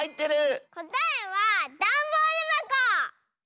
こたえはだんボールばこ！